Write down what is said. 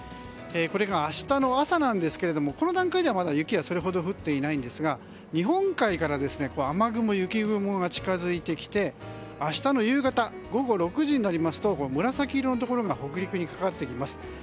これが明日の朝なんですがこの段階では雪はそれほど降っていないんですが日本海から雨雲や雪雲が近づいてきて明日の夕方午後６時になりますと紫色のところが北陸にかかってきます。